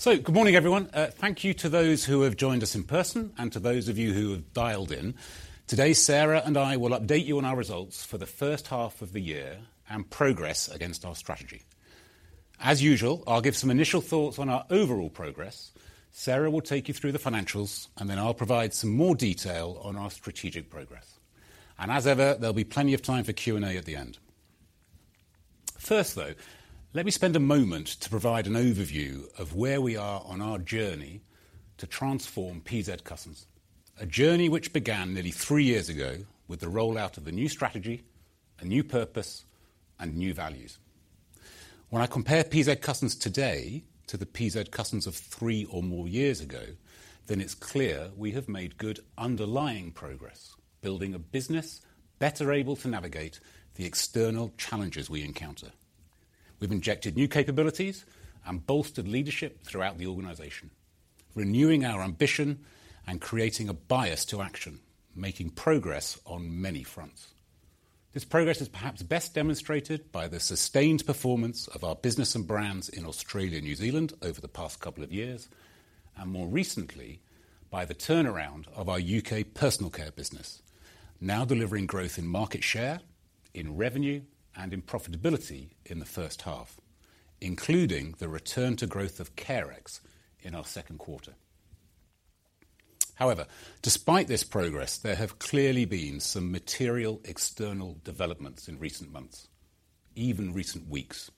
So good morning, everyone. Thank you to those who have joined us in person and to those of you who have dialed in. Today, Sarah and I will update you on our results for the first half of the year and progress against our strategy. As usual, I'll give some initial thoughts on our overall progress, Sarah will take you through the financials, and then I'll provide some more detail on our strategic progress. As ever, there'll be plenty of time for Q&A at the end. First, though, let me spend a moment to provide an overview of where we are on our journey to transform PZ Cussons, a journey which began nearly three years ago with the rollout of a new strategy, a new purpose, and new values. When I compare PZ Cussons today to the PZ Cussons of three or more years ago, then it's clear we have made good underlying progress, building a business better able to navigate the external challenges we encounter. We've injected new capabilities and bolstered leadership throughout the organization, renewing our ambition and creating a bias to action, making progress on many fronts. This progress is perhaps best demonstrated by the sustained performance of our business and brands in Australia and New Zealand over the past couple of years, and more recently, by the turnaround of our U.K. personal care business, now delivering growth in market share, in revenue, and in profitability in the first half, including the return to growth of Carex in our second quarter. However, despite this progress, there have clearly been some material external developments in recent months, even recent weeks.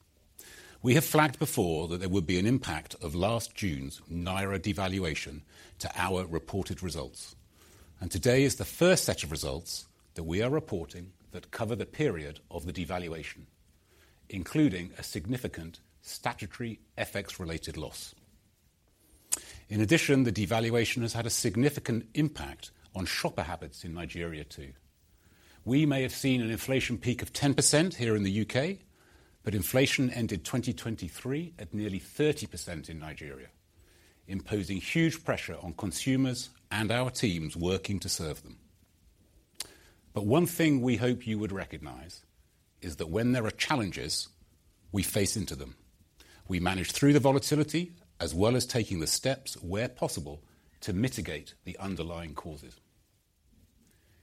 We have flagged before that there would be an impact of last June's naira devaluation to our reported results, and today is the first set of results that we are reporting that cover the period of the devaluation, including a significant statutory FX-related loss. In addition, the devaluation has had a significant impact on shopper habits in Nigeria, too. We may have seen an inflation peak of 10% here in the U.K., but inflation ended 2023 at nearly 30% in Nigeria, imposing huge pressure on consumers and our teams working to serve them. One thing we hope you would recognize is that when there are challenges, we face into them. We manage through the volatility, as well as taking the steps where possible to mitigate the underlying causes.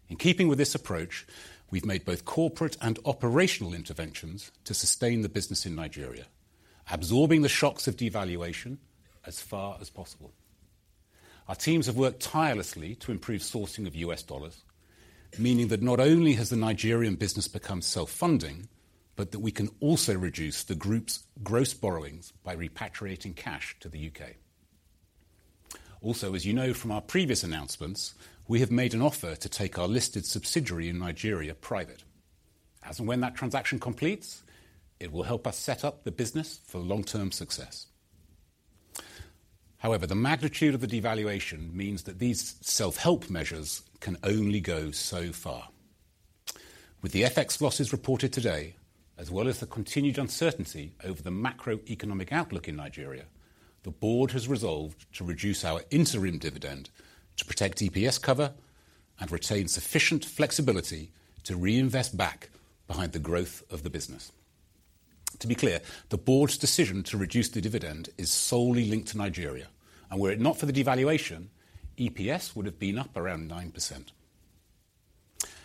In keeping with this approach, we've made both corporate and operational interventions to sustain the business in Nigeria, absorbing the shocks of devaluation as far as possible. Our teams have worked tirelessly to improve sourcing of U.S. dollars, meaning that not only has the Nigerian business become self-funding, but that we can also reduce the group's gross borrowings by repatriating cash to the U.K.. Also, as you know from our previous announcements, we have made an offer to take our listed subsidiary in Nigeria private. As and when that transaction completes, it will help us set up the business for long-term success. However, the magnitude of the devaluation means that these self-help measures can only go so far. With the FX losses reported today, as well as the continued uncertainty over the macroeconomic outlook in Nigeria, the board has resolved to reduce our interim dividend to protect EPS cover and retain sufficient flexibility to reinvest back behind the growth of the business. To be clear, the board's decision to reduce the dividend is solely linked to Nigeria, and were it not for the devaluation, EPS would have been up around 9%.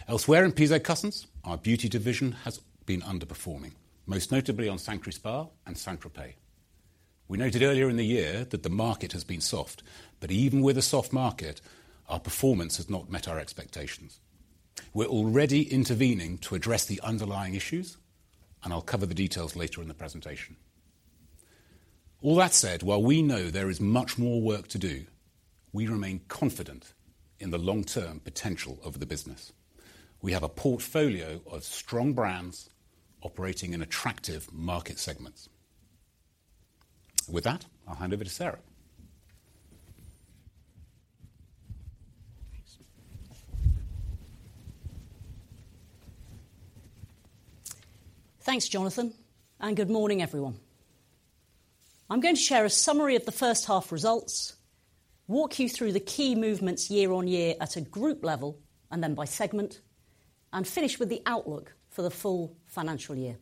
Elsewhere in PZ Cussons, our beauty division has been underperforming, most notably on Sanctuary Spa and St. Tropez. We noted earlier in the year that the market has been soft, but even with a soft market, our performance has not met our expectations. We're already intervening to address the underlying issues, and I'll cover the details later in the presentation. All that said, while we know there is much more work to do, we remain confident in the long-term potential of the business. We have a portfolio of strong brands operating in attractive market segments. With that, I'll hand over to Sarah. Thanks, Jonathan, and good morning, everyone. I'm going to share a summary of the first half results, walk you through the key movements year-on-year at a group level, and then by segment, and finish with the outlook for the full financial year.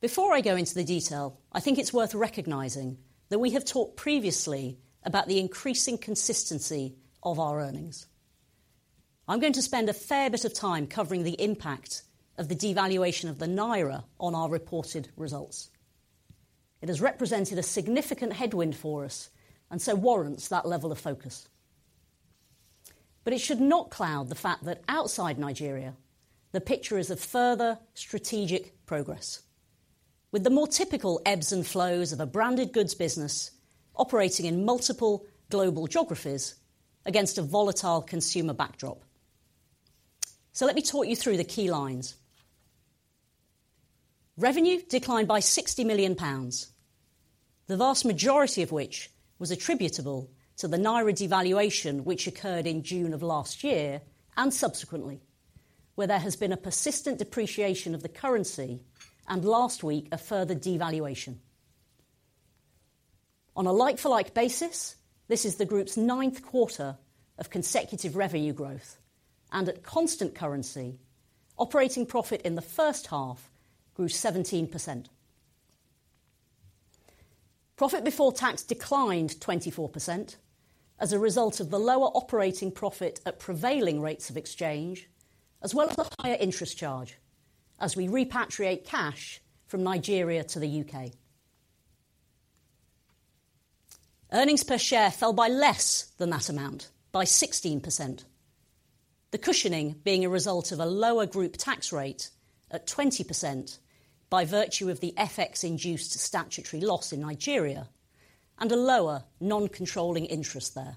Before I go into the detail, I think it's worth recognizing that we have talked previously about the increasing consistency of our earnings. I'm going to spend a fair bit of time covering the impact of the devaluation of the Naira on our reported results. It has represented a significant headwind for us and so warrants that level of focus. But it should not cloud the fact that outside Nigeria, the picture is of further strategic progress. With the more typical ebbs and flows of a branded goods business operating in multiple global geographies against a volatile consumer backdrop. So let me talk you through the key lines. Revenue declined by 60 million pounds, the vast majority of which was attributable to the Naira devaluation, which occurred in June of last year, and subsequently, where there has been a persistent depreciation of the currency, and last week, a further devaluation. On a like-for-like basis, this is the group's ninth quarter of consecutive revenue growth, and at constant currency... operating profit in the first half grew 17%. Profit before tax declined 24% as a result of the lower operating profit at prevailing rates of exchange, as well as the higher interest charge as we repatriate cash from Nigeria to the U.K. Earnings per share fell by less than that amount, by 16%. The cushioning being a result of a lower group tax rate at 20% by virtue of the FX-induced statutory loss in Nigeria and a lower non-controlling interest there.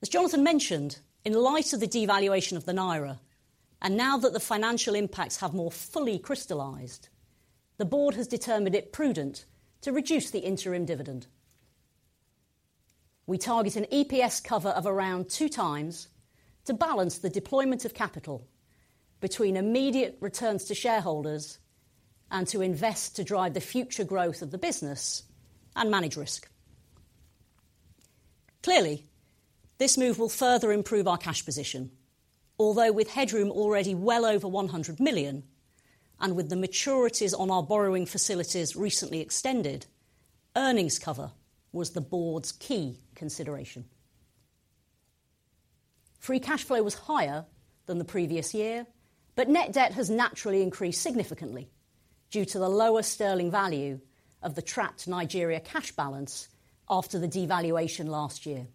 As Jonathan mentioned, in light of the devaluation of the Naira, and now that the financial impacts have more fully crystallized, the board has determined it prudent to reduce the interim dividend. We target an EPS cover of around 2 times to balance the deployment of capital between immediate returns to shareholders and to invest to drive the future growth of the business and manage risk. Clearly, this move will further improve our cash position. Although with headroom already well over 100 million and with the maturities on our borrowing facilities recently extended, earnings cover was the board's key consideration. Free cash flow was higher than the previous year, but net debt has naturally increased significantly due to the lower sterling value of the trapped Nigeria cash balance after the devaluation last year,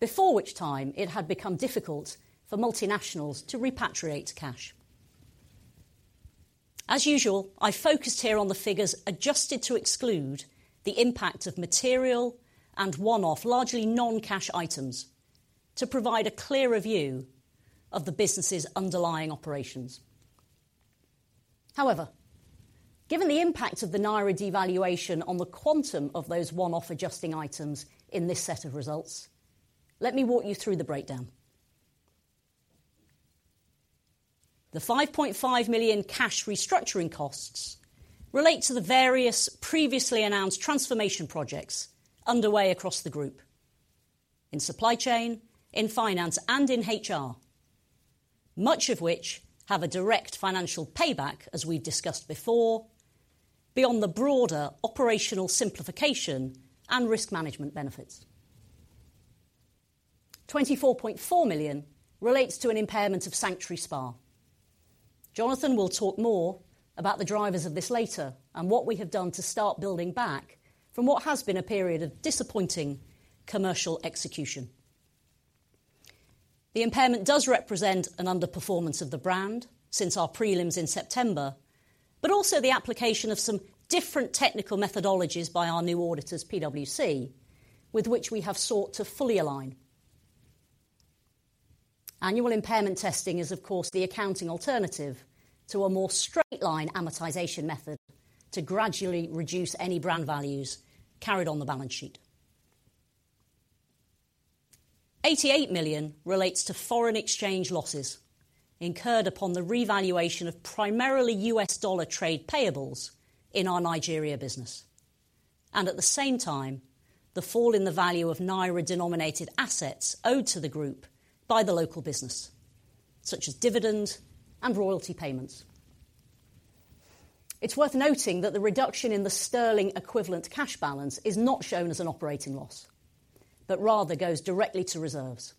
before which time it had become difficult for multinationals to repatriate cash. As usual, I focused here on the figures adjusted to exclude the impact of material and one-off, largely non-cash items, to provide a clearer view of the business's underlying operations. However, given the impact of the Naira devaluation on the quantum of those one-off adjusting items in this set of results, let me walk you through the breakdown. The 5.5 million cash restructuring costs relate to the various previously announced transformation projects underway across the group: in supply chain, in finance, and in HR, much of which have a direct financial payback, as we discussed before, beyond the broader operational simplification and risk management benefits. 24.4 million relates to an impairment of Sanctuary Spa. Jonathan will talk more about the drivers of this later and what we have done to start building back from what has been a period of disappointing commercial execution. The impairment does represent an underperformance of the brand since our prelims in September, but also the application of some different technical methodologies by our new auditors, PwC, with which we have sought to fully align. Annual impairment testing is, of course, the accounting alternative to a more straight-line amortization method to gradually reduce any brand values carried on the balance sheet. 88 million relates to foreign exchange losses incurred upon the revaluation of primarily U.S. dollar trade payables in our Nigeria business. At the same time, the fall in the value of Naira-denominated assets owed to the group by the local business, such as dividend and royalty payments. It's worth noting that the reduction in the sterling equivalent cash balance is not shown as an operating loss, but rather goes directly to reserves.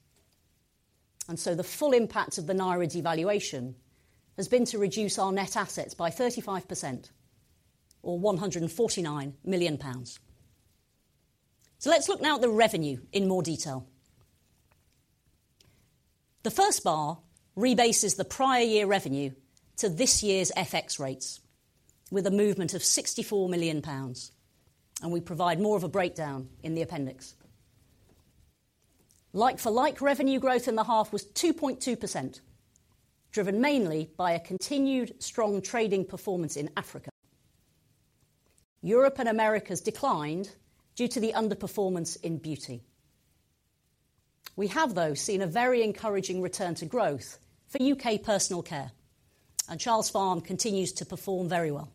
So the full impact of the Naira devaluation has been to reduce our net assets by 35%, or 149 million pounds. So let's look now at the revenue in more detail. The first bar rebases the prior year revenue to this year's FX rates with a movement of 64 million pounds, and we provide more of a breakdown in the appendix. Like-for-like revenue growth in the half was 2.2%, driven mainly by a continued strong trading performance in Africa. Europe and Americas declined due to the underperformance in beauty. We have, though, seen a very encouraging return to growth for U.K. personal care, and Charles Worthington continues to perform very well.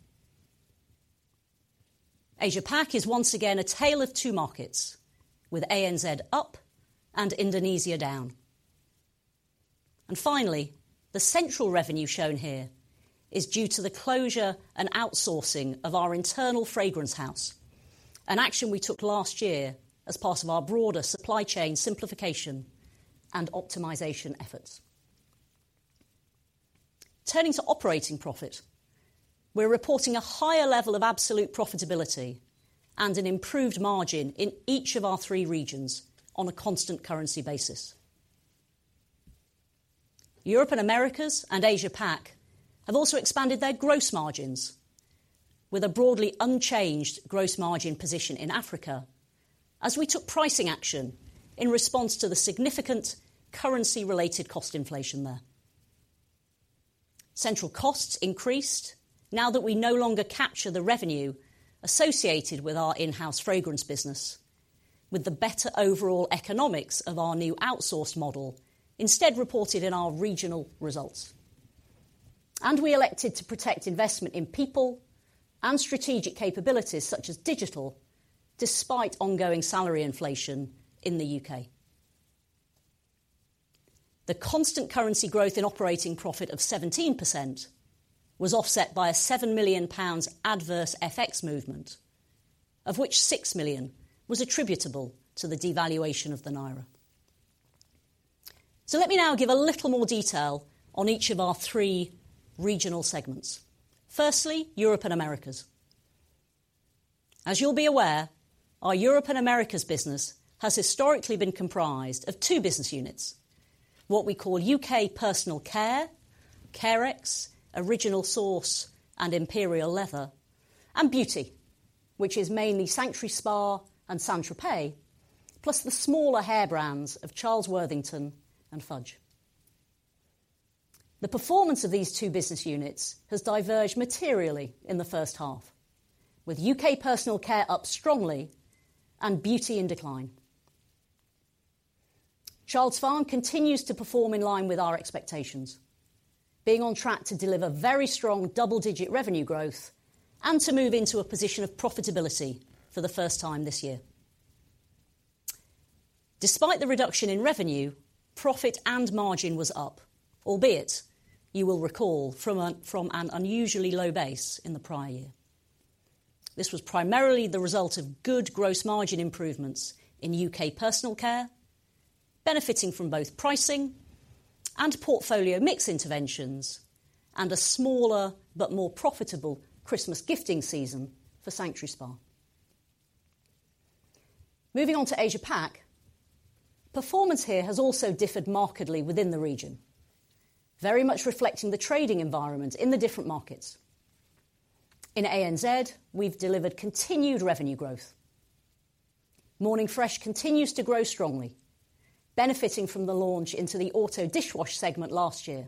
Asia Pac is once again a tale of two markets, with ANZ up and Indonesia down. And finally, the central revenue shown here is due to the closure and outsourcing of our internal fragrance house, an action we took last year as part of our broader supply chain simplification and optimization efforts. Turning to operating profit, we're reporting a higher level of absolute profitability and an improved margin in each of our three regions on a constant currency basis. Europe and Americas and Asia Pac have also expanded their gross margins with a broadly unchanged gross margin position in Africa as we took pricing action in response to the significant currency-related cost inflation there. Central costs increased now that we no longer capture the revenue associated with our in-house fragrance business, with the better overall economics of our new outsourced model instead reported in our regional results.... and we elected to protect investment in people and strategic capabilities such as digital, despite ongoing salary inflation in the U.K.. The constant currency growth in operating profit of 17% was offset by a 7 million pounds adverse FX movement, of which 6 million was attributable to the devaluation of the Naira. So let me now give a little more detail on each of our three regional segments. Firstly, Europe and Americas. As you'll be aware, our Europe and Americas business has historically been comprised of two business units, what we call U.K. Personal Care, Carex, Original Source, and Imperial Leather, and Beauty, which is mainly Sanctuary Spa and St. Tropez, plus the smaller hair brands of Charles Worthington and Fudge. The performance of these two business units has diverged materially in the first half, with U.K. personal care up strongly and beauty in decline. Childs Farm continues to perform in line with our expectations, being on track to deliver very strong double-digit revenue growth and to move into a position of profitability for the first time this year. Despite the reduction in revenue, profit and margin was up, albeit you will recall from an unusually low base in the prior year. This was primarily the result of good gross margin improvements in U.K. personal care, benefiting from both pricing and portfolio mix interventions, and a smaller but more profitable Christmas gifting season for Sanctuary Spa. Moving on to Asia Pac, performance here has also differed markedly within the region, very much reflecting the trading environment in the different markets. In ANZ, we've delivered continued revenue growth. Morning Fresh continues to grow strongly, benefiting from the launch into the auto dishwash segment last year.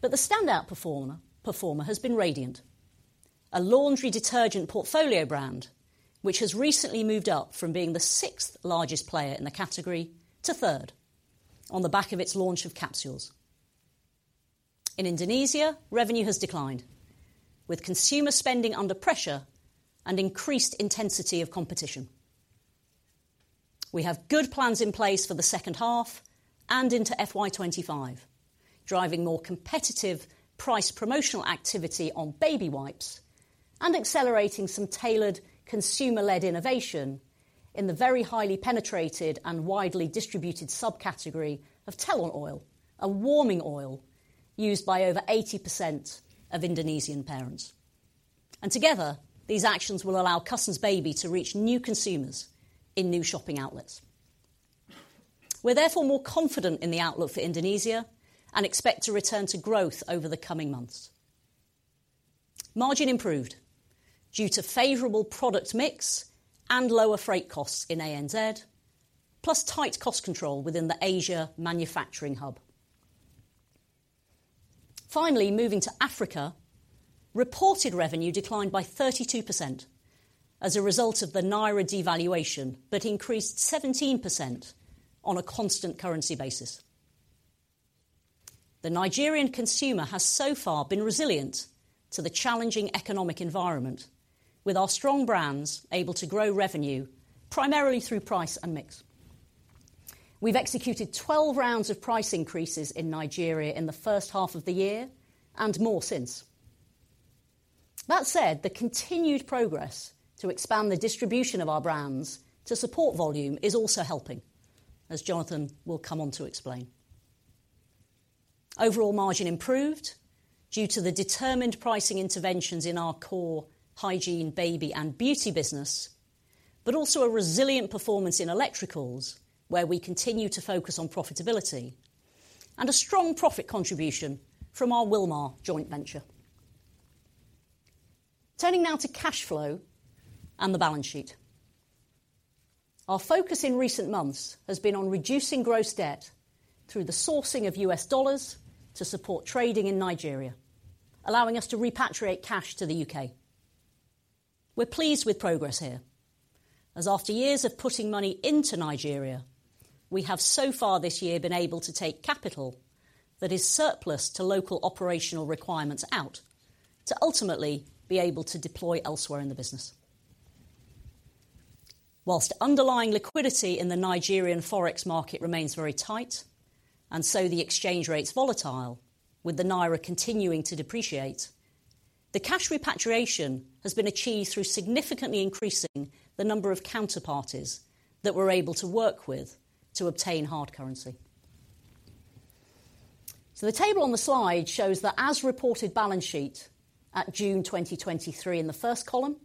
But the standout performer has been Radiant, a laundry detergent portfolio brand, which has recently moved up from being the sixth largest player in the category to third on the back of its launch of capsules. In Indonesia, revenue has declined, with consumer spending under pressure and increased intensity of competition. We have good plans in place for the second half and into FY 2025, driving more competitive price promotional activity on baby wipes and accelerating some tailored consumer-led innovation in the very highly penetrated and widely distributed subcategory of Telon Oil, a warming oil used by over 80% of Indonesian parents. Together, these actions will allow Cussons Baby to reach new consumers in new shopping outlets. We're therefore more confident in the outlook for Indonesia and expect to return to growth over the coming months. Margin improved due to favorable product mix and lower freight costs in ANZ, plus tight cost control within the Asia manufacturing hub. Finally, moving to Africa, reported revenue declined by 32% as a result of the Naira devaluation, but increased 17% on a constant currency basis. The Nigerian consumer has so far been resilient to the challenging economic environment, with our strong brands able to grow revenue primarily through price and mix. We've executed 12 rounds of price increases in Nigeria in the first half of the year and more since. That said, the continued progress to expand the distribution of our brands to support volume is also helping, as Jonathan will come on to explain. Overall margin improved due to the determined pricing interventions in our core hygiene, baby, and beauty business, but also a resilient performance in electricals, where we continue to focus on profitability and a strong profit contribution from our Wilmar joint venture. Turning now to cash flow and the balance sheet. Our focus in recent months has been on reducing gross debt through the sourcing of US dollars to support trading in Nigeria, allowing us to repatriate cash to the U.K.. We're pleased with progress here, as after years of putting money into Nigeria, we have so far this year been able to take capital that is surplus to local operational requirements out to ultimately be able to deploy elsewhere in the business. While underlying liquidity in the Nigerian Forex market remains very tight, and so the exchange rate's volatile, with the Naira continuing to depreciate, the cash repatriation has been achieved through significantly increasing the number of counterparties that we're able to work with to obtain hard currency. So the table on the slide shows the as-reported balance sheet at June 2023 in the first column,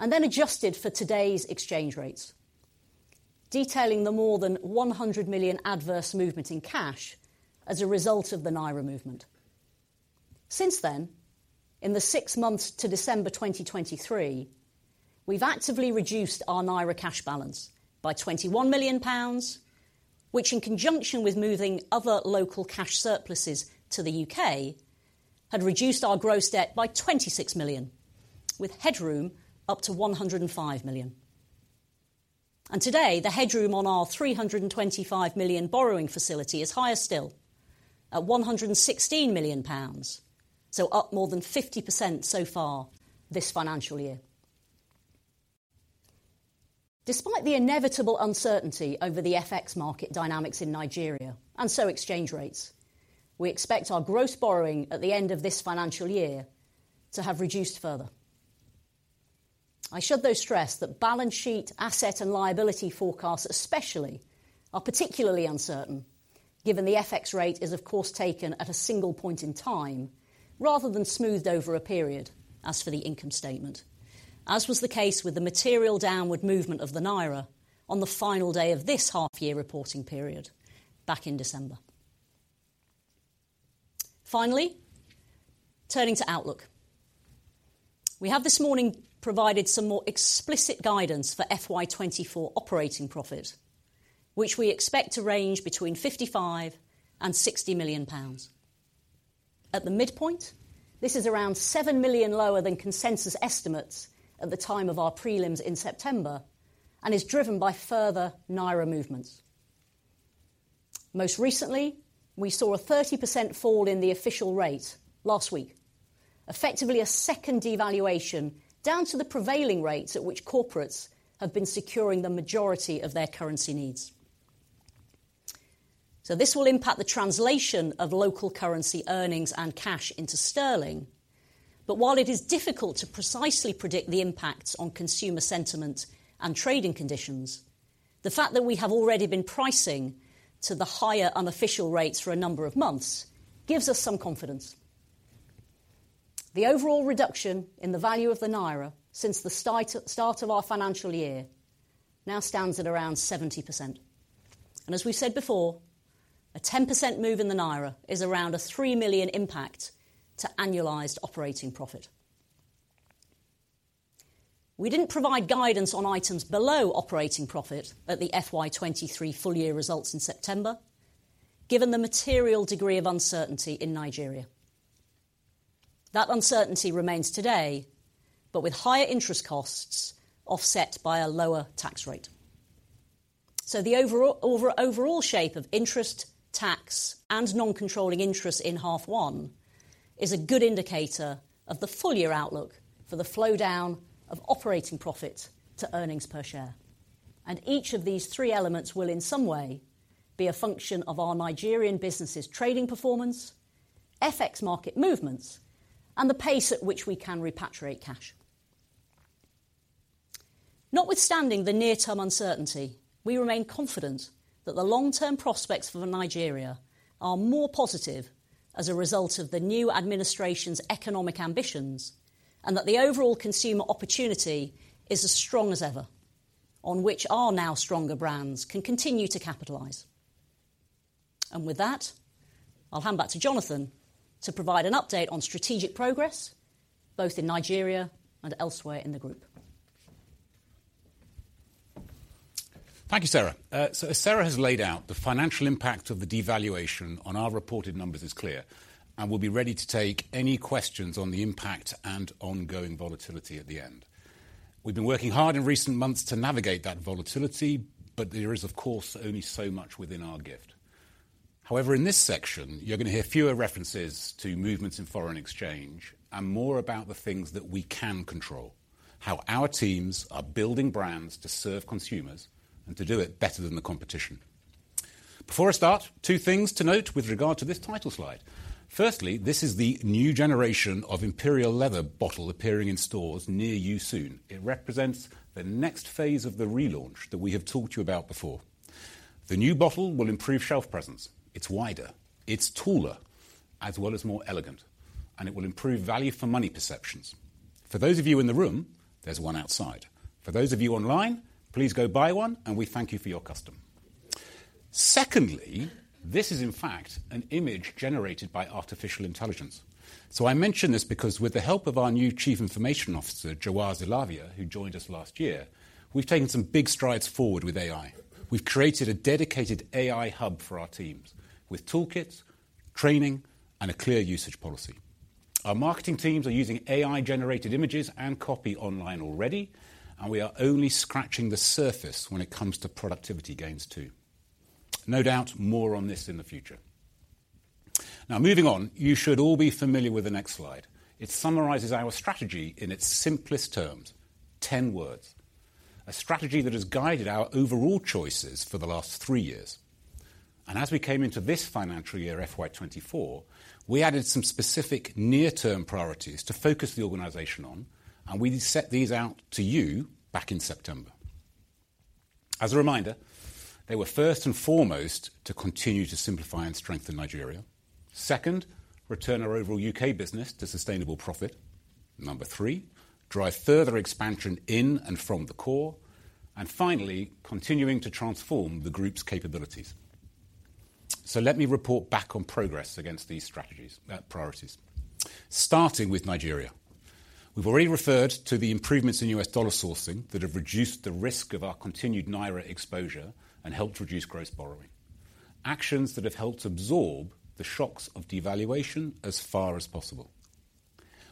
and then adjusted for today's exchange rates, detailing the more than 100 million adverse movement in cash as a result of the Naira movement. Since then, in the six months to December 2023, we've actively reduced our Naira cash balance by 21 million pounds, which in conjunction with moving other local cash surpluses to the U.K., had reduced our gross debt by 26 million, with headroom up to 105 million, and today, the headroom on our 325 million borrowing facility is higher still, at 116 million pounds, so up more than 50% so far this financial year. Despite the inevitable uncertainty over the FX market dynamics in Nigeria, and so exchange rates, we expect our gross borrowing at the end of this financial year to have reduced further. I should, though, stress that balance sheet asset and liability forecasts especially are particularly uncertain, given the FX rate is of course taken at a single point in time, rather than smoothed over a period, as for the income statement. As was the case with the material downward movement of the naira on the final day of this half-year reporting period back in December. Finally, turning to outlook. We have this morning provided some more explicit guidance for FY 2024 operating profit, which we expect to range between 55 million and 60 million pounds. At the midpoint, this is around 7 million lower than consensus estimates at the time of our prelims in September and is driven by further naira movements. Most recently, we saw a 30% fall in the official rate last week, effectively a second devaluation down to the prevailing rates at which corporates have been securing the majority of their currency needs. So this will impact the translation of local currency earnings and cash into sterling. But while it is difficult to precisely predict the impact on consumer sentiment and trading conditions, the fact that we have already been pricing to the higher unofficial rates for a number of months gives us some confidence. The overall reduction in the value of the naira since the start of our financial year now stands at around 70%. And as we said before, a 10% move in the naira is around a £3 million impact to annualized operating profit. We didn't provide guidance on items below operating profit at the FY 23 full year results in September, given the material degree of uncertainty in Nigeria. That uncertainty remains today, but with higher interest costs offset by a lower tax rate. So the overall shape of interest, tax, and non-controlling interests in H1 is a good indicator of the full-year outlook for the flow down of operating profit to earnings per share. Each of these three elements will, in some way, be a function of our Nigerian business's trading performance, FX market movements, and the pace at which we can repatriate cash. Notwithstanding the near-term uncertainty, we remain confident that the long-term prospects for Nigeria are more positive as a result of the new administration's economic ambitions, and that the overall consumer opportunity is as strong as ever, on which our now stronger brands can continue to capitalize. And with that, I'll hand back to Jonathan to provide an update on strategic progress, both in Nigeria and elsewhere in the group. Thank you, Sarah. So as Sarah has laid out, the financial impact of the devaluation on our reported numbers is clear, and we'll be ready to take any questions on the impact and ongoing volatility at the end. We've been working hard in recent months to navigate that volatility, but there is, of course, only so much within our gift. However, in this section, you're gonna hear fewer references to movements in foreign exchange and more about the things that we can control, how our teams are building brands to serve consumers and to do it better than the competition. Before I start, two things to note with regard to this title slide. Firstly, this is the new generation of Imperial Leather bottle appearing in stores near you soon. It represents the next phase of the relaunch that we have talked to you about before. The new bottle will improve shelf presence. It's wider, it's taller, as well as more elegant, and it will improve value for money perceptions. For those of you in the room, there's one outside. For those of you online, please go buy one, and we thank you for your custom. Secondly, this is in fact an image generated by artificial intelligence. So I mention this because with the help of our new Chief Information Officer, Jawaz Illavia, who joined us last year, we've taken some big strides forward with AI. We've created a dedicated AI hub for our teams, with toolkits, training, and a clear usage policy. Our marketing teams are using AI-generated images and copy online already, and we are only scratching the surface when it comes to productivity gains, too. No doubt, more on this in the future. Now, moving on. You should all be familiar with the next slide. It summarizes our strategy in its simplest terms, 10 words, a strategy that has guided our overall choices for the last three years. As we came into this financial year, FY 2024, we added some specific near-term priorities to focus the organization on, and we set these out to you back in September. As a reminder, they were, first and foremost, to continue to simplify and strengthen Nigeria. Second, return our overall U.K. business to sustainable profit. Number 3, drive further expansion in and from the core. Finally, continuing to transform the group's capabilities. Let me report back on progress against these strategies, priorities. Starting with Nigeria. We've already referred to the improvements in US dollar sourcing that have reduced the risk of our continued naira exposure and helped reduce gross borrowing, actions that have helped absorb the shocks of devaluation as far as possible.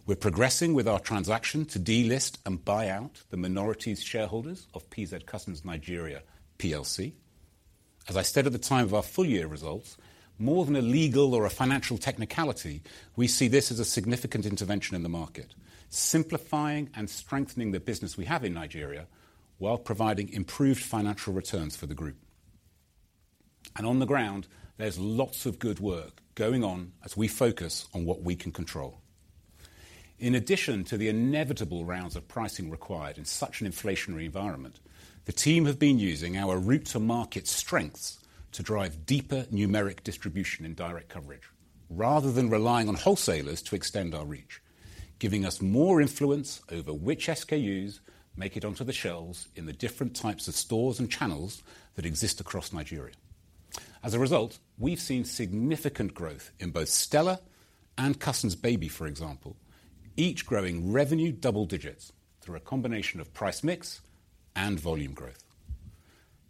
We're progressing with our transaction to delist and buy out the minority shareholders of PZ Cussons Nigeria PLC. As I said at the time of our full year results, more than a legal or a financial technicality, we see this as a significant intervention in the market, simplifying and strengthening the business we have in Nigeria, while providing improved financial returns for the group. On the ground, there's lots of good work going on as we focus on what we can control. In addition to the inevitable rounds of pricing required in such an inflationary environment, the team have been using our route to market strengths to drive deeper numeric distribution in direct coverage, rather than relying on wholesalers to extend our reach, giving us more influence over which SKUs make it onto the shelves in the different types of stores and channels that exist across Nigeria. As a result, we've seen significant growth in both Stella and Cussons Baby, for example, each growing revenue double digits through a combination of price mix and volume growth.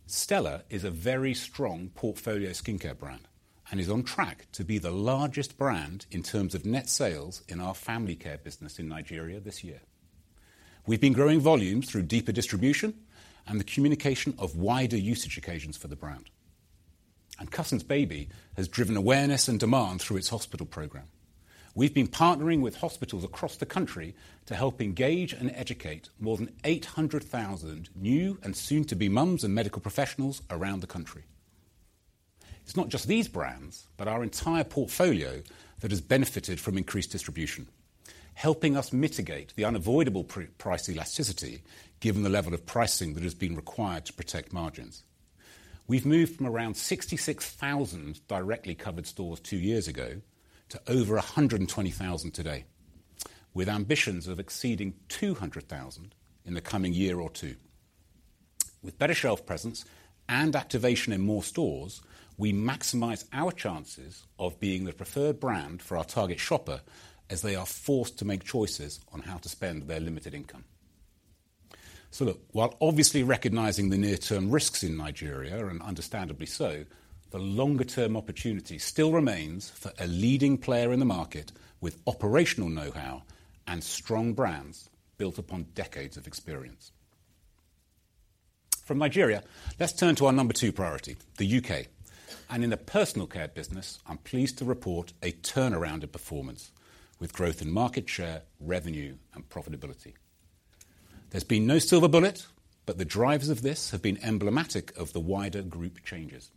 Stella is a very strong portfolio skincare brand and is on track to be the largest brand in terms of net sales in our family care business in Nigeria this year. We've been growing volumes through deeper distribution and the communication of wider usage occasions for the brand. Cussons Baby has driven awareness and demand through its hospital program. We've been partnering with hospitals across the country to help engage and educate more than 800,000 new and soon-to-be moms and medical professionals around the country. It's not just these brands, but our entire portfolio that has benefited from increased distribution, helping us mitigate the unavoidable price elasticity, given the level of pricing that has been required to protect margins. We've moved from around 66,000 directly covered stores two years ago to over 120,000 today, with ambitions of exceeding 200,000 in the coming year or two. With better shelf presence and activation in more stores, we maximize our chances of being the preferred brand for our target shopper as they are forced to make choices on how to spend their limited income. So look, while obviously recognizing the near-term risks in Nigeria, and understandably so, the longer term opportunity still remains for a leading player in the market with operational know-how and strong brands built upon decades of experience. From Nigeria, let's turn to our number 2 priority, the U.K. And in the personal care business, I'm pleased to report a turnaround in performance with growth in market share, revenue and profitability. There's been no silver bullet, but the drivers of this have been emblematic of the wider group changes.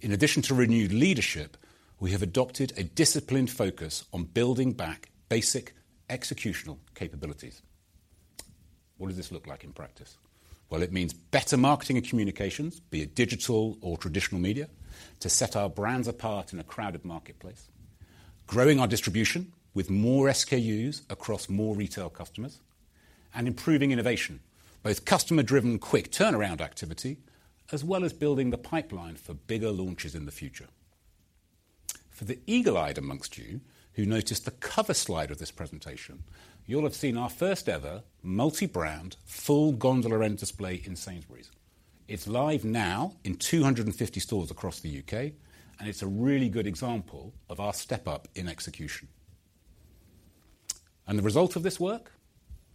In addition to renewed leadership, we have adopted a disciplined focus on building back basic executional capabilities. What does this look like in practice? Well, it means better marketing and communications, be it digital or traditional media, to set our brands apart in a crowded marketplace. Growing our distribution with more SKUs across more retail customers, and improving innovation, both customer-driven, quick turnaround activity, as well as building the pipeline for bigger launches in the future. For the eagle-eyed amongst you, who noticed the cover slide of this presentation, you'll have seen our first-ever multi-brand, full gondola end display in Sainsbury's. It's live now in 250 stores across the U.K., and it's a really good example of our step up in execution. And the result of this work?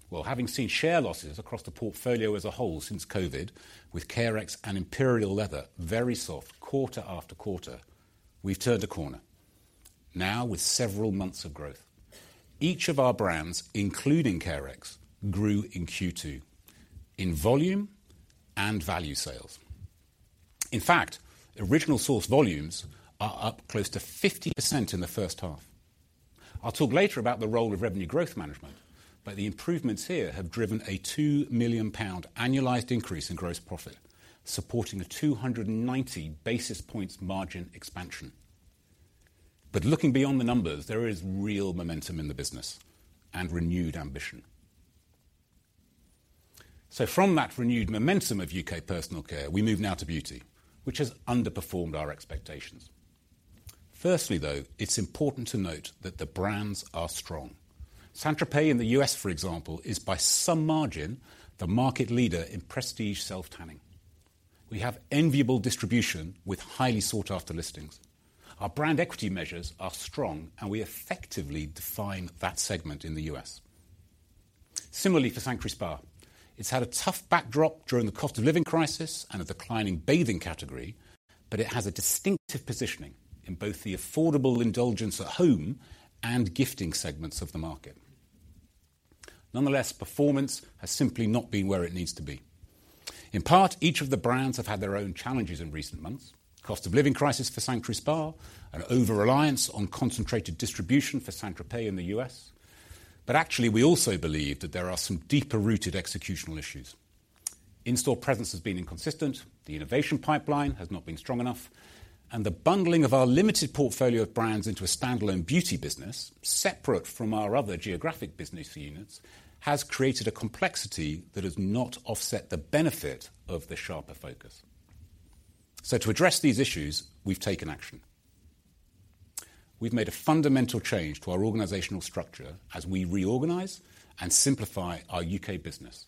Well, having seen share losses across the portfolio as a whole since COVID, with Carex and Imperial Leather, very soft quarter after quarter, we've turned a corner. Now, with several months of growth, each of our brands, including Carex, grew in Q2, in volume and value sales. In fact, Original Source volumes are up close to 50% in the first half. I'll talk later about the role of revenue growth management, but the improvements here have driven a 2 million pound annualized increase in gross profit, supporting a 290 basis points margin expansion. But looking beyond the numbers, there is real momentum in the business and renewed ambition. So from that renewed momentum of U.K. personal care, we move now to beauty, which has underperformed our expectations. Firstly, though, it's important to note that the brands are strong. St. Tropez in the U.S., for example, is by some margin, the market leader in prestige self-tanning. We have enviable distribution with highly sought-after listings. Our brand equity measures are strong, and we effectively define that segment in the U.S. Similarly, for Sanctuary Spa, it's had a tough backdrop during the cost of living crisis and a declining bathing category, but it has a distinctive positioning in both the affordable indulgence at home and gifting segments of the market. Nonetheless, performance has simply not been where it needs to be. In part, each of the brands have had their own challenges in recent months. Cost of living crisis for Sanctuary Spa and overreliance on concentrated distribution for St. Tropez in the U.S.. But actually, we also believe that there are some deeper-rooted executional issues. In-store presence has been inconsistent, the innovation pipeline has not been strong enough, and the bundling of our limited portfolio of brands into a standalone beauty business, separate from our other geographic business units, has created a complexity that has not offset the benefit of the sharper focus. So to address these issues, we've taken action. We've made a fundamental change to our organizational structure as we reorganize and simplify our U.K. business,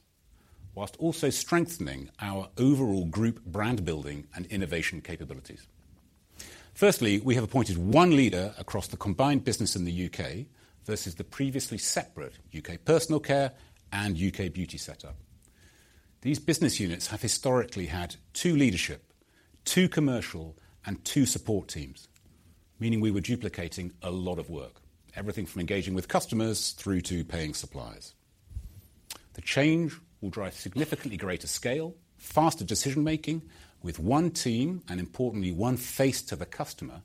while also strengthening our overall group brand building and innovation capabilities. First, we have appointed one leader across the combined business in the U.K., versus the previously separate U.K. Personal Care and U.K. Beauty setup. These business units have historically had two leadership, two commercial, and two support teams, meaning we were duplicating a lot of work, everything from engaging with customers through to paying suppliers. The change will drive significantly greater scale, faster decision-making with one team, and importantly, one face to the customer,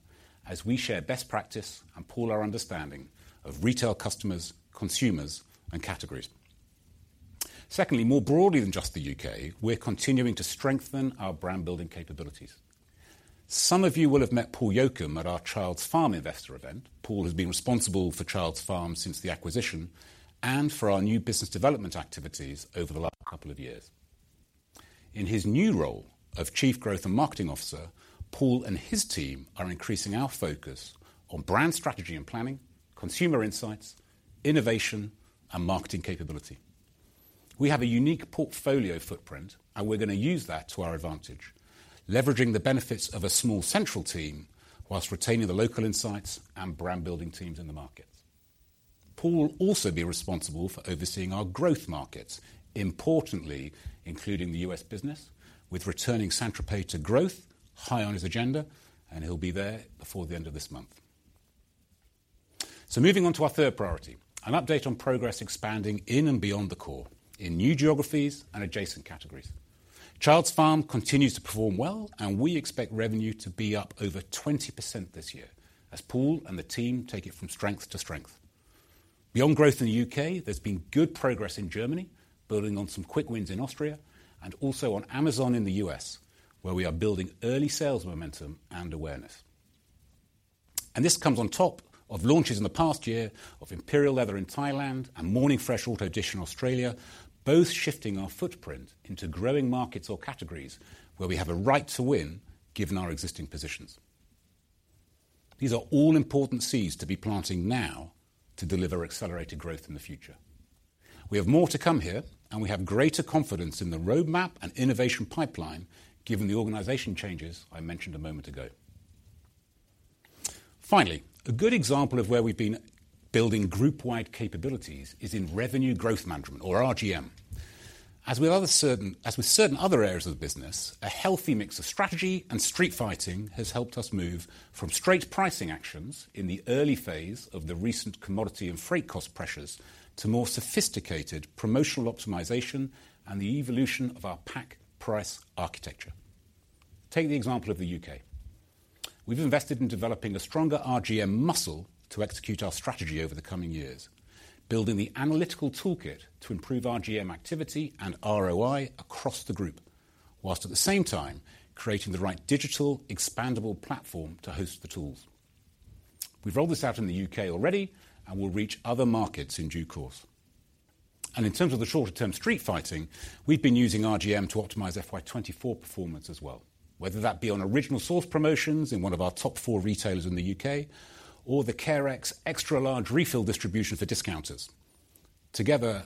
as we share best practice and pool our understanding of retail customers, consumers, and categories. Second, more broadly than just the U.K., we're continuing to strengthen our brand-building capabilities. Some of you will have met Paul Yocum at our Childs Farm investor event. Paul has been responsible for Childs Farm since the acquisition and for our new business development activities over the last couple of years. In his new role of Chief Growth and Marketing Officer, Paul and his team are increasing our focus on brand strategy and planning, consumer insights, innovation, and marketing capability. We have a unique portfolio footprint, and we're going to use that to our advantage, leveraging the benefits of a small central team, whilst retaining the local insights and brand-building teams in the market. Paul will also be responsible for overseeing our growth markets, importantly, including the U.S. business, with returning St. Tropez to growth high on his agenda, and he'll be there before the end of this month. So moving on to our third priority, an update on progress expanding in and beyond the core in new geographies and adjacent categories. Childs Farm continues to perform well, and we expect revenue to be up over 20% this year as Paul and the team take it from strength to strength. Beyond growth in the U.K., there's been good progress in Germany, building on some quick wins in Austria, and also on Amazon in the U.S., where we are building early sales momentum and awareness. This comes on top of launches in the past year of Imperial Leather in Thailand and Morning Fresh Auto Dish in Australia, both shifting our footprint into growing markets or categories where we have a right to win, given our existing positions. These are all important seeds to be planting now to deliver accelerated growth in the future. We have more to come here, and we have greater confidence in the roadmap and innovation pipeline, given the organization changes I mentioned a moment ago. Finally, a good example of where we've been building group-wide capabilities is in revenue growth management or RGM. As with certain other areas of the business, a healthy mix of strategy and street fighting has helped us move from straight pricing actions in the early phase of the recent commodity and freight cost pressures to more sophisticated promotional optimization and the evolution of our pack price architecture. Take the example of the U.K.. We've invested in developing a stronger RGM muscle to execute our strategy over the coming years, building the analytical toolkit to improve RGM activity and ROI across the group, whilst at the same time creating the right digital, expandable platform to host the tools. We've rolled this out in the U.K. already and will reach other markets in due course. In terms of the shorter-term street fighting, we've been using RGM to optimize FY 2024 performance as well, whether that be on Original Source promotions in one of our top four retailers in the U.K. or the Carex extra large refill distribution for discounters. Together,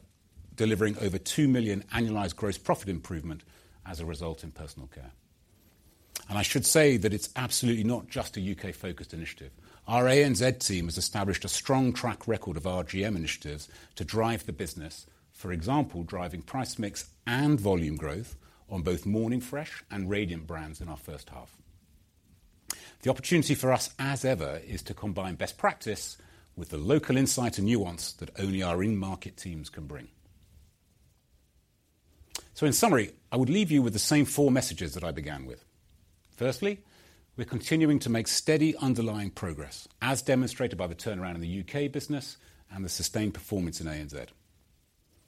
delivering over 2 million annualized gross profit improvement as a result in personal care. And I should say that it's absolutely not just a U.K.-focused initiative. Our ANZ team has established a strong track record of RGM initiatives to drive the business, for example, driving price mix and volume growth on both Morning Fresh and Radiant brands in our first half. The opportunity for us, as ever, is to combine best practice with the local insight and nuance that only our in-market teams can bring. So in summary, I would leave you with the same four messages that I began with. Firstly, we're continuing to make steady underlying progress, as demonstrated by the turnaround in the U.K. business and the sustained performance in ANZ.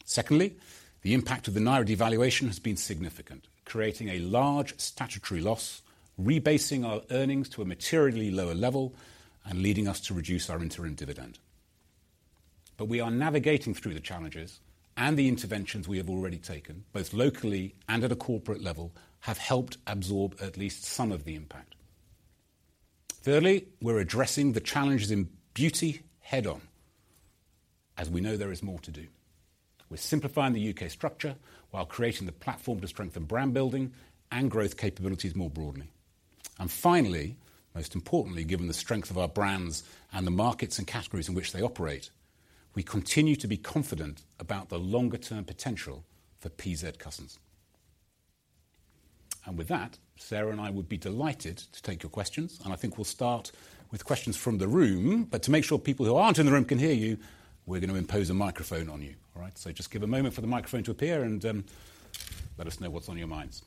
Secondly, the impact of the Naira devaluation has been significant, creating a large statutory loss, rebasing our earnings to a materially lower level and leading us to reduce our interim dividend. But we are navigating through the challenges, and the interventions we have already taken, both locally and at a corporate level, have helped absorb at least some of the impact. Thirdly, we're addressing the challenges in beauty head-on, as we know there is more to do. We're simplifying the U.K. structure while creating the platform to strengthen brand building and growth capabilities more broadly. Finally, most importantly, given the strength of our brands and the markets and categories in which they operate, we continue to be confident about the longer-term potential for PZ Cussons. With that, Sarah and I would be delighted to take your questions, and I think we'll start with questions from the room. But to make sure people who aren't in the room can hear you, we're going to impose a microphone on you. All right? Just give a moment for the microphone to appear, and let us know what's on your minds.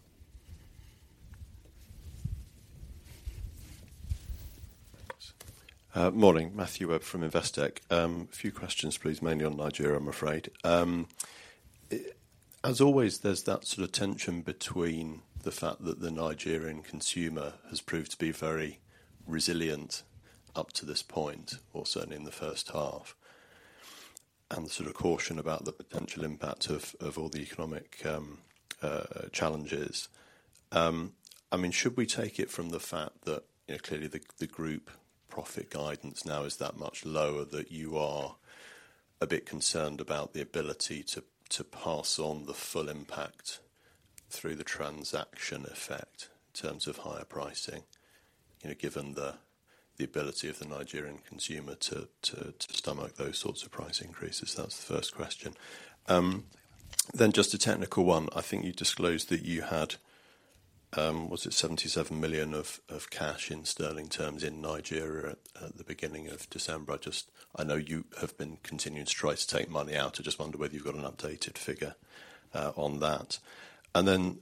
Morning, Matthew Webb from Investec. A few questions, please, mainly on Nigeria, I'm afraid. As always, there's that sort of tension between the fact that the Nigerian consumer has proved to be very resilient up to this point, or certainly in the first half, and the sort of caution about the potential impact of all the economic challenges. I mean, should we take it from the fact that, you know, clearly the group profit guidance now is that much lower, that you are a bit concerned about the ability to pass on the full impact through the transaction effect in terms of higher pricing, you know, given the ability of the Nigerian consumer to stomach those sorts of price increases? That's the first question. Then just a technical one. I think you disclosed that you had, was it 77 million of cash in sterling terms in Nigeria at the beginning of December? I just—I know you have been continuing to try to take money out. I just wonder whether you've got an updated figure on that. And then,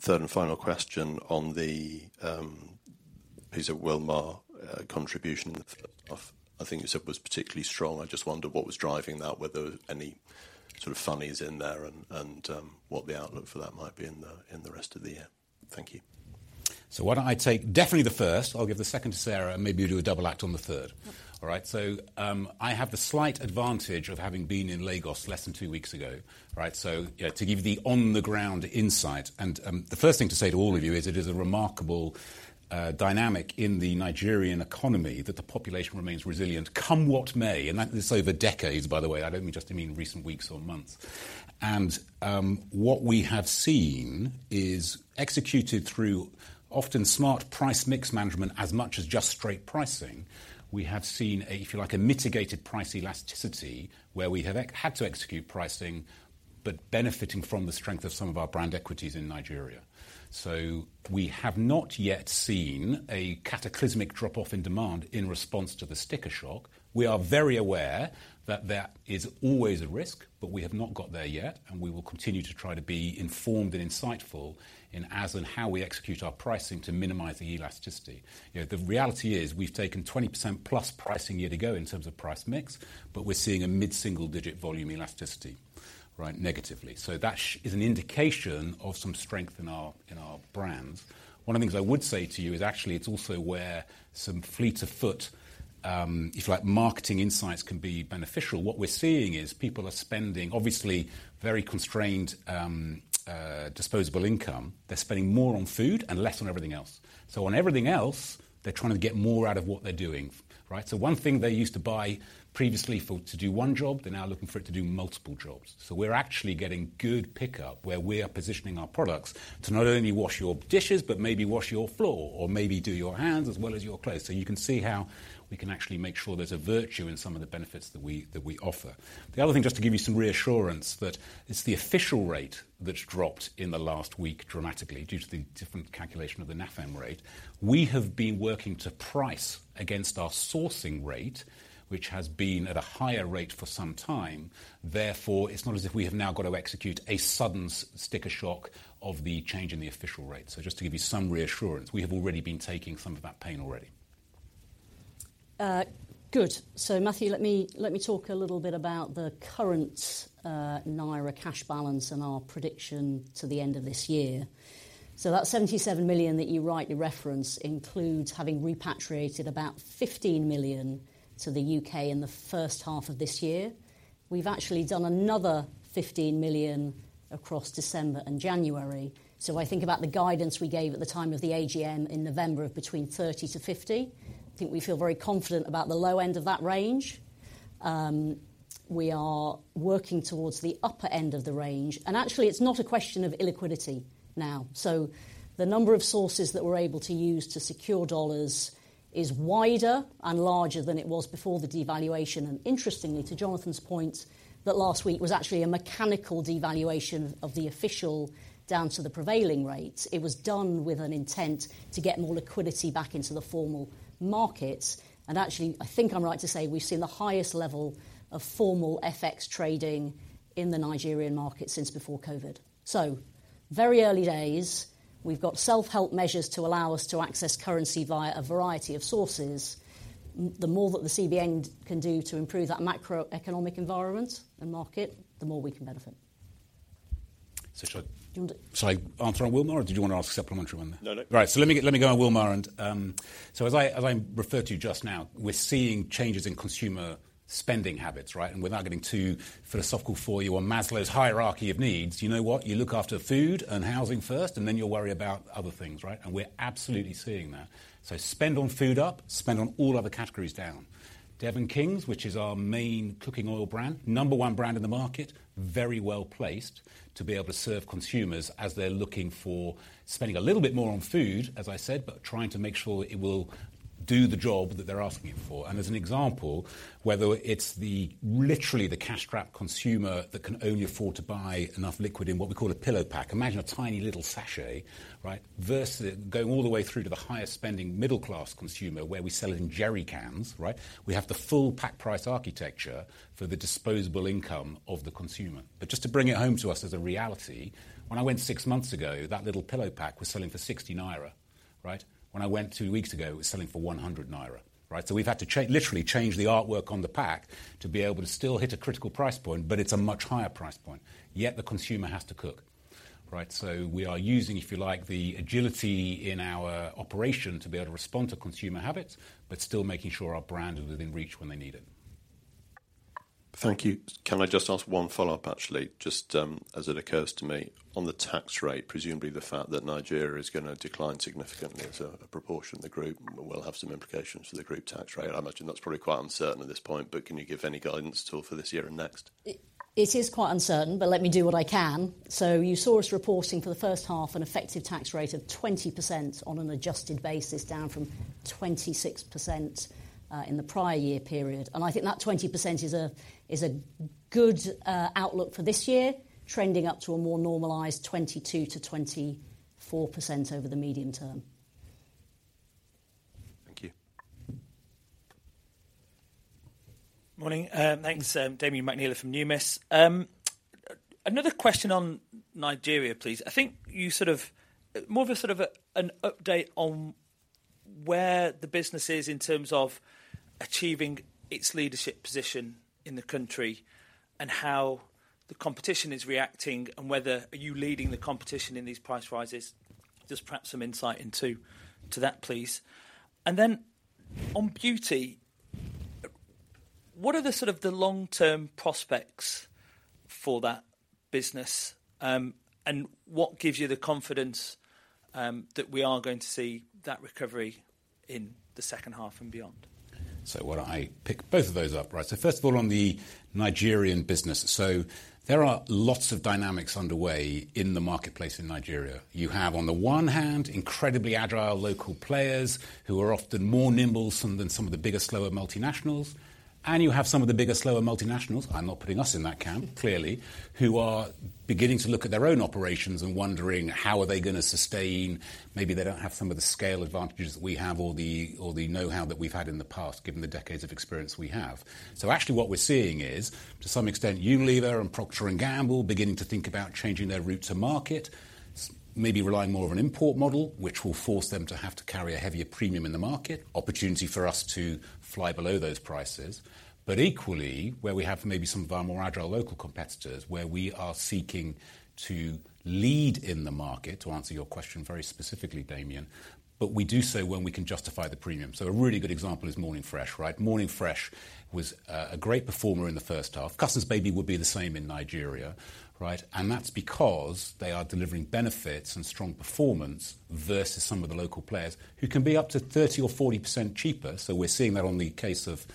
third and final question on the PZ Wilmar contribution, I think you said, was particularly strong. I just wondered what was driving that, were there any sort of funnies in there and what the outlook for that might be in the rest of the year? Thank you. So, why don't I take definitely the first? I'll give the second to Sarah, and maybe you do a double act on the third. Okay. All right, so, I have the slight advantage of having been in Lagos less than two weeks ago, right? So, to give you the on-the-ground insight, and, the first thing to say to all of you is it is a remarkable, dynamic in the Nigerian economy that the population remains resilient, come what may, and that is over decades, by the way, I don't mean just in recent weeks or months. And, what we have seen is executed through often smart price mix management as much as just straight pricing. We have seen a, if you like, a mitigated price elasticity, where we have had to execute pricing, but benefiting from the strength of some of our brand equities in Nigeria. So we have not yet seen a cataclysmic drop-off in demand in response to the sticker shock. We are very aware that that is always a risk, but we have not got there yet, and we will continue to try to be informed and insightful in as and how we execute our pricing to minimize the elasticity. You know, the reality is, we've taken 20% plus pricing year to go in terms of price mix, but we're seeing a mid-single-digit volume elasticity, right? Negatively. So that is an indication of some strength in our, in our brands. One of the things I would say to you is actually it's also where some fleet of foot, if you like, marketing insights can be beneficial. What we're seeing is people are spending, obviously, very constrained, disposable income. They're spending more on food and less on everything else. So on everything else, they're trying to get more out of what they're doing, right? So one thing they used to buy previously for, to do one job, they're now looking for it to do multiple jobs. So we're actually getting good pickup where we are positioning our products to not only wash your dishes, but maybe wash your floor or maybe do your hands as well as your clothes. So you can see how we can actually make sure there's a virtue in some of the benefits that we, that we offer. The other thing, just to give you some reassurance, that it's the official rate that's dropped in the last week dramatically due to the different calculation of the NAFEM rate. We have been working to price against our sourcing rate, which has been at a higher rate for some time. Therefore, it's not as if we have now got to execute a sudden sticker shock of the change in the official rate. Just to give you some reassurance, we have already been taking some of that pain already. Good. So Matthew, let me, let me talk a little bit about the current Naira cash balance and our prediction to the end of this year. So that $77 million that you rightly reference includes having repatriated about $15 million to the U.K. in the first half of this year. We've actually done another $15 million across December and January. So I think about the guidance we gave at the time of the AGM in November of between $30 million-$50 million. I think we feel very confident about the low end of that range. We are working towards the upper end of the range, and actually, it's not a question of illiquidity now. So the number of sources that we're able to use to secure dollars is wider and larger than it was before the devaluation. Interestingly, to Jonathan's point, that last week was actually a mechanical devaluation of the official down to the prevailing rate. It was done with an intent to get more liquidity back into the formal markets, and actually, I think I'm right to say we've seen the highest level of formal FX trading in the Nigerian market since before COVID. So very early days, we've got self-help measures to allow us to access currency via a variety of sources. The more that the CBN can do to improve that macroeconomic environment and market, the more we can benefit. So should I- Do you want to-... Should I answer on Wilmar, or did you want to ask a supplementary one? No, no. Right. So let me go on Wilmar and, so as I referred to just now, we're seeing changes in consumer spending habits, right? And without getting too philosophical for you, on Maslow's hierarchy of needs, you know what? You look after food and housing first, and then you'll worry about other things, right? And we're absolutely seeing that. So spend on food up, spend on all other categories down. Devon King's, which is our main cooking oil brand, number one brand in the market, very well-placed to be able to serve consumers as they're looking for spending a little bit more on food, as I said, but trying to make sure it will do the job that they're asking it for. As an example, whether it's literally the cash-strapped consumer that can only afford to buy enough liquid in what we call a pillow pack. Imagine a tiny little sachet, right? Versus going all the way through to the highest spending middle-class consumer, where we sell it in jerry cans, right? We have the full pack price architecture for the disposable income of the consumer. But just to bring it home to us as a reality, when I went six months ago, that little pillow pack was selling for 60 naira, right? When I went two weeks ago, it was selling for 100 naira, right? So we've had to literally change the artwork on the pack to be able to still hit a critical price point, but it's a much higher price point. Yet the consumer has to cook, right? We are using, if you like, the agility in our operation to be able to respond to consumer habits, but still making sure our brand is within reach when they need it. Thank you. Can I just ask one follow-up, actually, just, as it occurs to me. On the tax rate, presumably the fact that Nigeria is gonna decline significantly as a, a proportion of the group will have some implications for the group tax rate. I imagine that's probably quite uncertain at this point, but can you give any guidance at all for this year and next?... It is quite uncertain, but let me do what I can. You saw us reporting for the first half, an effective tax rate of 20% on an adjusted basis, down from 26% in the prior year period. I think that 20% is a, is a good outlook for this year, trending up to a more normalized 22%-24% over the medium term. Thank you. Morning, thanks. Damian McNeela from Numis. Another question on Nigeria, please. I think more of an update on where the business is in terms of achieving its leadership position in the country, and how the competition is reacting, and whether are you leading the competition in these price rises? Just perhaps some insight into that, please. And then on beauty, what are the sort of long-term prospects for that business? And what gives you the confidence that we are going to see that recovery in the second half and beyond? Why don't I pick both of those up, right? First of all, on the Nigerian business. There are lots of dynamics underway in the marketplace in Nigeria. You have, on the one hand, incredibly agile local players who are often more nimble than some of the bigger, slower multinationals, and you have some of the bigger, slower multinationals, I'm not putting us in that camp, clearly, who are beginning to look at their own operations and wondering, how are they going to sustain? Maybe they don't have some of the scale advantages that we have, or the, or the know-how that we've had in the past, given the decades of experience we have. So actually, what we're seeing is, to some extent, Unilever and Procter & Gamble beginning to think about changing their route to market, maybe relying more on an import model, which will force them to have to carry a heavier premium in the market, opportunity for us to fly below those prices. But equally, where we have maybe some of our more agile local competitors, where we are seeking to lead in the market, to answer your question very specifically, Damian, but we do so when we can justify the premium. So a really good example is Morning Fresh, right? Morning Fresh was a, a great performer in the first half. Cussons Baby would be the same in Nigeria, right? And that's because they are delivering benefits and strong performance versus some of the local players who can be up to 30% or 40% cheaper. So we're seeing that in the case of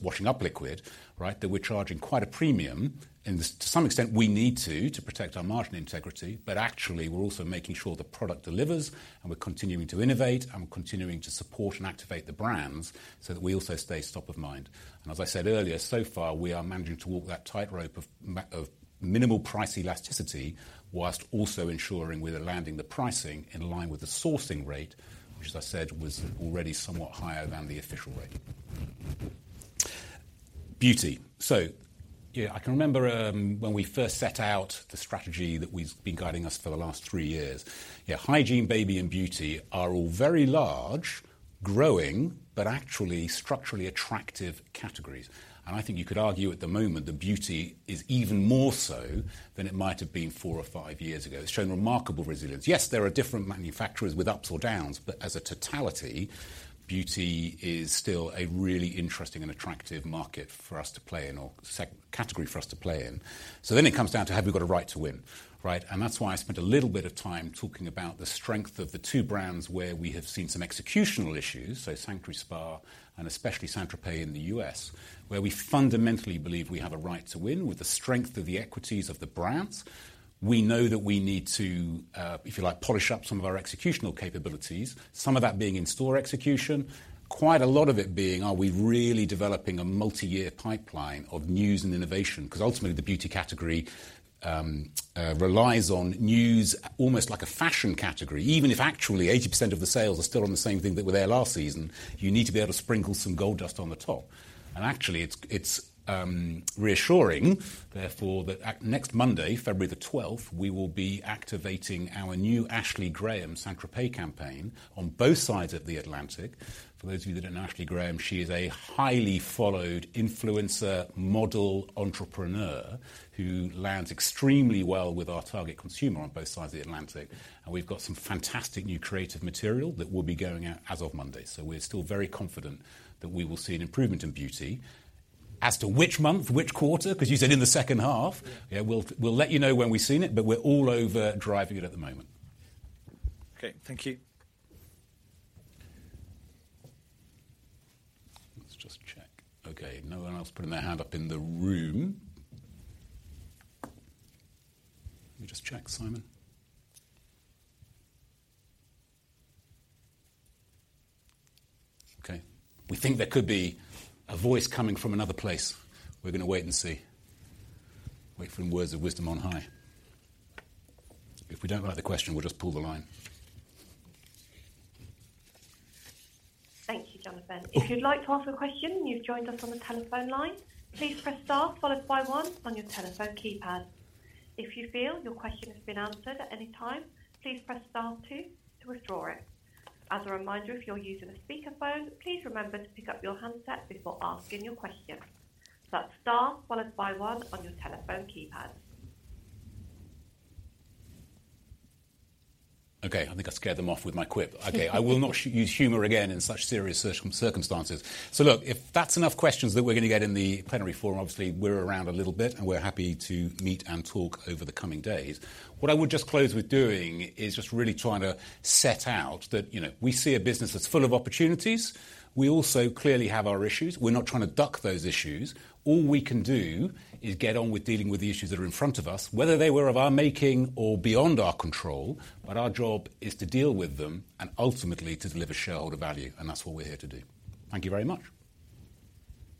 washing up liquid, right? That we're charging quite a premium, and to some extent, we need to protect our margin integrity. But actually, we're also making sure the product delivers, and we're continuing to innovate, and we're continuing to support and activate the brands so that we also stay top of mind. And as I said earlier, so far, we are managing to walk that tightrope of minimal price elasticity, while also ensuring we are landing the pricing in line with the sourcing rate, which, as I said, was already somewhat higher than the official rate. Beauty. So, yeah, I can remember when we first set out the strategy that we've been guiding us for the last three years. Yeah, hygiene, baby, and beauty are all very large, growing, but actually structurally attractive categories. And I think you could argue at the moment that beauty is even more so than it might have been four or five years ago. It's shown remarkable resilience. Yes, there are different manufacturers with ups or downs, but as a totality, beauty is still a really interesting and attractive market for us to play in, or sector category for us to play in. So then it comes down to, have we got a right to win, right? And that's why I spent a little bit of time talking about the strength of the two brands where we have seen some executional issues, so Sanctuary Spa and especially St. Tropez in the U.S., where we fundamentally believe we have a right to win with the strength of the equities of the brands. We know that we need to, if you like, polish up some of our executional capabilities, some of that being in-store execution. Quite a lot of it being, are we really developing a multi-year pipeline of news and innovation? Because ultimately, the beauty category relies on news, almost like a fashion category. Even if actually 80% of the sales are still on the same thing that were there last season, you need to be able to sprinkle some gold dust on the top. And actually, it's reassuring, therefore, that at next Monday, February the twelfth, we will be activating our new Ashley Graham St. Tropez campaign on both sides of the Atlantic. For those of you that don't know Ashley Graham, she is a highly followed influencer, model, entrepreneur, who lands extremely well with our target consumer on both sides of the Atlantic, and we've got some fantastic new creative material that will be going out as of Monday. So we're still very confident that we will see an improvement in beauty. As to which month, which quarter, 'cause you said in the second half- Yeah. Yeah, we'll, we'll let you know when we've seen it, but we're all over driving it at the moment. Okay, thank you. Let's just check. Okay, no one else putting their hand up in the room. Let me just check, Simon. Okay, we think there could be a voice coming from another place. We're gonna wait and see. Wait for words of wisdom on high. If we don't like the question, we'll just pull the line. Thank you, Jonathan. If you'd like to ask a question, and you've joined us on the telephone line, please press star followed by one on your telephone keypad. If you feel your question has been answered at any time, please press star two to withdraw it. As a reminder, if you're using a speakerphone, please remember to pick up your handset before asking your question. So that's star followed by one on your telephone keypad. Okay, I think I scared them off with my quip. Okay, I will not use humor again in such serious circumstances. So look, if that's enough questions that we're going to get in the plenary forum, obviously, we're around a little bit, and we're happy to meet and talk over the coming days. What I would just close with doing is just really trying to set out that, you know, we see a business that's full of opportunities. We also clearly have our issues. We're not trying to duck those issues. All we can do is get on with dealing with the issues that are in front of us, whether they were of our making or beyond our control, but our job is to deal with them and ultimately to deliver shareholder value, and that's what we're here to do. Thank you very much!